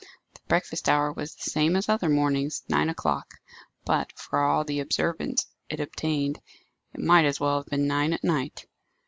The breakfast hour was the same as other mornings, nine o'clock; but, for all the observance it obtained, it might as well have been nine at night.